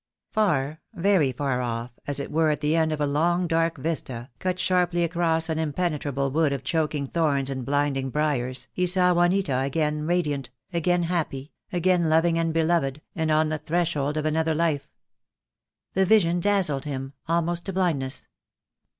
Far, very far off, as it were at the end of a long dark vista, cut sharply across an impenetrable wood of choking thorns and blinding briars, he saw Juanita again radiant, again happy, again loving and beloved, and on the threshold of another life. The vision dazzled him, almost to blindness.